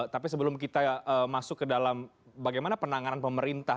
tapi sebelum kita masuk ke dalam bagaimana penanganan pemerintah